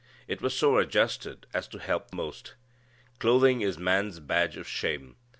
It was so adjusted as to help most. Clothing is man's badge of shame.